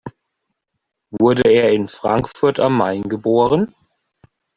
Wurde er in Frankfurt am Main geboren?